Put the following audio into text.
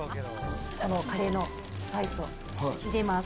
このカレーのスパイスを入れます。